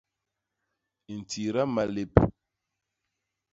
Ntida malép.